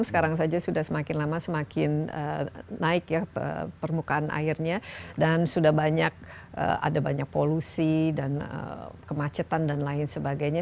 sekarang saja sudah semakin lama semakin naik ya permukaan airnya dan sudah banyak ada banyak polusi dan kemacetan dan lain sebagainya